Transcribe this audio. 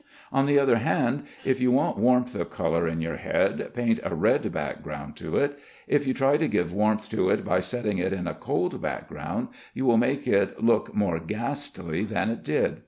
On the other hand, if you want warmth of color in your head, paint a red background to it. If you try to give warmth to it by setting it in a cold background you will make it look more ghastly than it did.